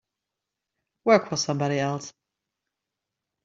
Work for somebody else.